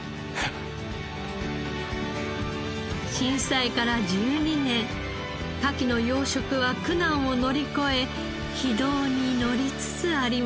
震災から１２年カキの養殖は苦難を乗り越え軌道にのりつつあります。